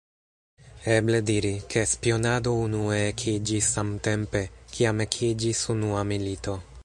Eble diri, ke spionado unue ekiĝis samtempe, kiam ekiĝis unua milito.